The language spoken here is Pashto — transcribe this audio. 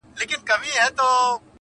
نن څراغه لمبې وکړه پر زړګي مي ارمانونه-